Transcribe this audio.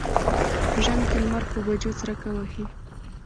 په ژمي کې لمر په بجو څریکه وهي.